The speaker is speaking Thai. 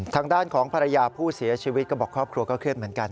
ทางด้านของภรรยาผู้เสียชีวิตก็บอกครอบครัวก็เครียดเหมือนกัน